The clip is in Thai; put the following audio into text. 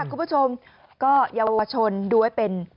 คุณผู้ชมก็เยาวชนดูไว้เป็น